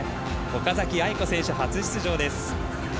岡崎愛子選手、初出場です。